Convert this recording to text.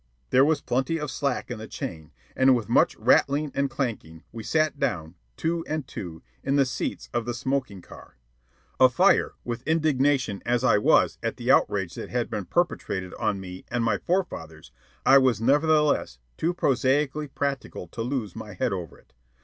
There was plenty of slack in the chain, and with much rattling and clanking we sat down, two and two, in the seats of the smoking car. Afire with indignation as I was at the outrage that had been perpetrated on me and my forefathers, I was nevertheless too prosaically practical to lose my head over it.